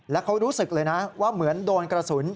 แล้วเขารู้สึกเลยนะว่าเหมือนโดนกระสุน